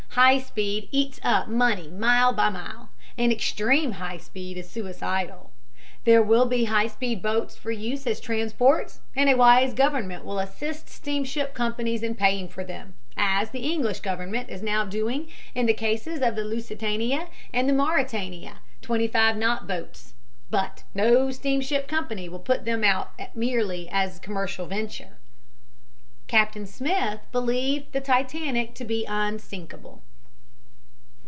High speed eats up money mile by mile, and extreme high speed is suicidal. There will be high speed boats for use as transports and a wise government will assist steamship companies in paying for them, as the English Government is now doing in the cases of the Lusitania and Mauretania, twenty five knot boats; but no steamship company will put them out merely as a commercial venture." Captain Smith believed the Titanic to be unsinkable.